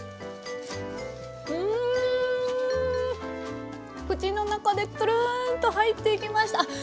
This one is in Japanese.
うん口の中でプルンと入っていきました。